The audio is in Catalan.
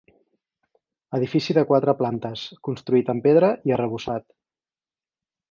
Edifici de quatre plantes, construït amb pedra i arrebossat.